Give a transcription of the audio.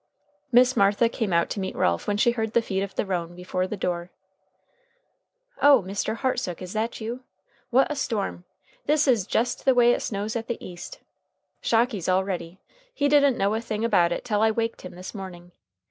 Miss Martha came out to meet Ralph when she heard the feet of the roan before the door. "O Mr. Hartsook! is that you? What a storm. This is jest the way it snows at the East. Shocky's all ready. He didn't know a thing about it tell I waked him this morning.